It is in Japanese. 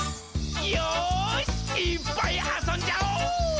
よーし、いーっぱいあそんじゃお！